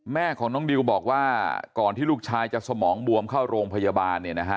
แม่ของน้องดิวบอกว่าก่อนที่ลูกชายจะสมองบวมเข้าโรงพยาบาล